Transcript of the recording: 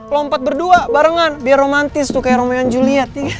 lompat berdua barengan biar romantis tuh kayak rome yang juliet